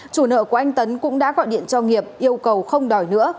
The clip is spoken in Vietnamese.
chủ nợ của anh tấn cũng đã gọi điện cho nghiệp yêu cầu không đòi nữa